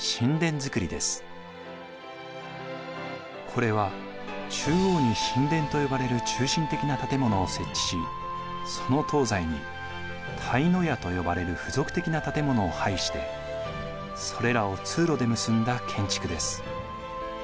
これは中央に寝殿と呼ばれる中心的な建物を設置しその東西に対屋と呼ばれる付属的な建物を配してそれらを通路で結んだ建築です。